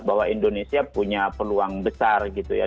bahwa indonesia punya peluang besar gitu ya